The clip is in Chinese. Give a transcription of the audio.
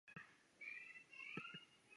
茶竿竹为禾本科茶秆竹属下的一个种。